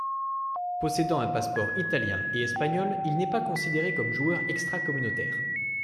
Possédant un passeport italien et espagnol, il n'est pas considéré comme joueur extra-communautaire.